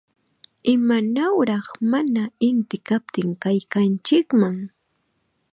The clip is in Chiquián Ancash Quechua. ¡Imanawraq mana inti kaptin kaykanchikman!